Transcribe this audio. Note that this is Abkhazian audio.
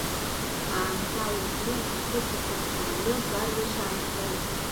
Аамҭала зны ақыҭа ҭырҭәааны Бармышьаа нхон.